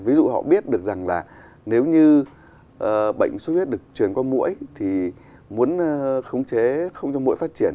ví dụ họ biết được rằng là nếu như bệnh sốt huyết được truyền qua mũi thì muốn khống chế không cho mũi phát triển